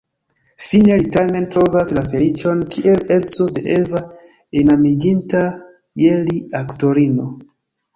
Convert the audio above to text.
Fine li tamen trovas la feliĉon kiel edzo de Eva, enamiĝinta je li aktorino.